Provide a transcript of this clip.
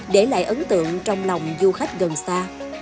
để lại ấn tượng trong lòng du khách gần xa